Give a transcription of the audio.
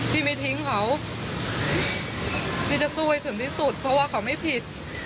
พี่ไม่ทิ้งเขาพี่จะสู้ให้ถึงที่สุดเพราะว่าเขาไม่ผิด